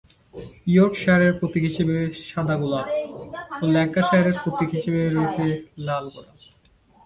ইয়র্কশায়ারের প্রতীক হিসেবে সাদা গোলাপ ও ল্যাঙ্কাশায়ারের প্রতীক হিসেবে রয়েছে লাল গোলাপ।